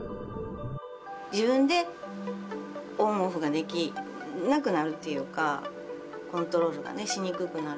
自分でオンオフができなくなるっていうかコントロールがねしにくくなる。